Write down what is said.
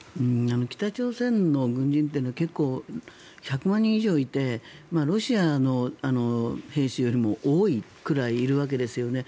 北朝鮮の軍人というのは１００万人以上いてロシアの兵士よりも多いくらいいるわけですよね。